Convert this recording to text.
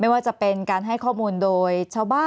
แอนตาซินเยลโรคกระเพาะอาหารท้องอืดจุกเสียดแสบร้อน